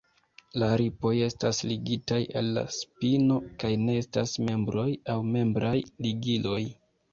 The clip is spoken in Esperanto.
La ripoj estas ligitaj al la spino kaj ne estas membroj aŭ membraj ligiloj.